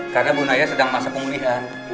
karena bu naya sedang masa pengulihan